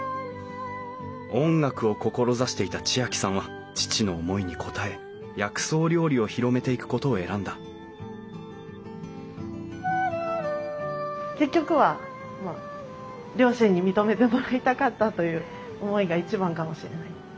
音楽を志していた知亜季さんは父の思いに応え薬草料理を広めていくことを選んだ結局はまあ両親に認めてもらいたかったという思いが一番かもしれない。